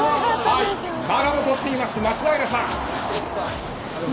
まだ残っています、松平さん。